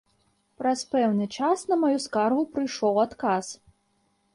Праз пэўны час на маю скаргу прыйшоў адказ.